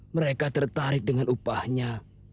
mereka tertarik dengan upahnya